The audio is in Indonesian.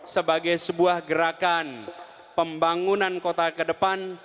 sebagai sebuah gerakan pembangunan kota ke depan